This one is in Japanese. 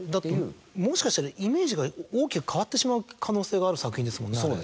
もしかしたらイメージが大きく変わってしまう可能性がある作品ですもんねあれ。